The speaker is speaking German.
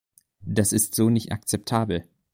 Das ist so nicht akzeptabel!